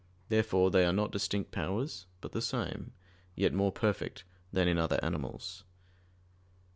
Therefore they are not distinct powers, but the same, yet more perfect than in other animals.